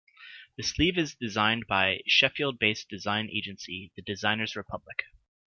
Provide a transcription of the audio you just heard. The sleeve is designed by Sheffield-based design agency The Designers Republic.